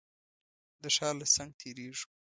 د ښار له څنګ تېرېږو.